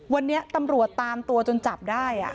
วันนี้ตำรวจตามตัวจนจับได้